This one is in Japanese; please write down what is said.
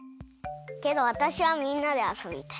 けどわたしはみんなであそびたい。